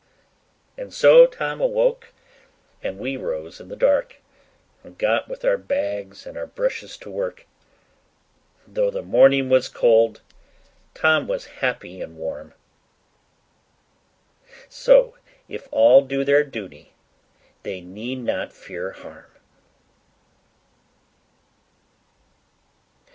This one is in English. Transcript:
And so Tom awoke, and we rose in the dark, And got with our bags and our brushes to work. Though the morning was cold, Tom was happy and warm: So, if all do their duty, they need not fear harm.